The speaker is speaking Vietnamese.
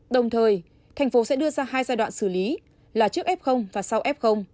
đồng thời thành phố sẽ đưa ra hai giai đoạn xử lý là trước f và sau f